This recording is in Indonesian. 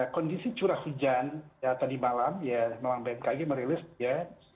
kondisi curah hujan tadi malam ya memang bmkg merilis ya